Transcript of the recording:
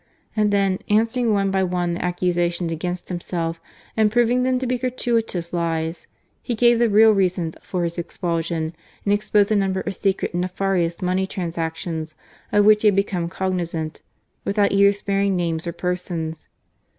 And then, answering one by one the accusations against himself, and proving them to be gratuitous lies, he gave the real reasons for his expulsion, and exposed a number of secret and nefarious money transactions of which he had become cognizant, without either sparing names or persons.